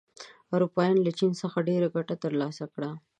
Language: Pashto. اروپایان له چین څخه ډېره ګټه تر لاسه کړه.